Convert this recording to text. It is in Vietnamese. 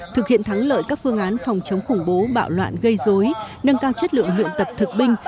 thực hiện thắng lợi các phương án phòng chống khủng bố bạo loạn gây dối nâng cao chất lượng luyện tập thực binh